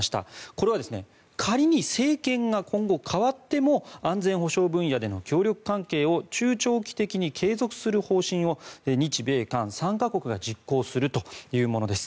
これは仮に政権が今後代わっても安全保障分野での協力関係を中長期的に継続する方針を日米韓３か国が実行するというものです。